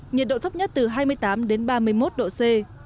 nhiệt độ thấp nhất từ hai mươi tám đến ba mươi một độ c